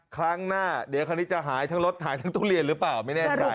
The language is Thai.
ครั้งหน้าเดี๋ยวคันนี้จะหายทั้งรถหายทั้งทุเรียนหรือเปล่าไม่แน่ใจ